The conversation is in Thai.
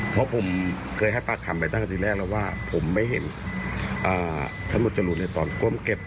เพราะผมเคยให้ปากคำไปตั้งแต่ทีแรกแล้วว่าผมไม่เห็นทั้งหมดจรูนในตอนก้มเก็บ